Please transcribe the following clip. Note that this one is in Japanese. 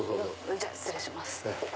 じゃあ失礼します。